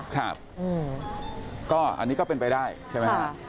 ครับก็อันนี้ก็เป็นไปได้ใช่ไหมฮะ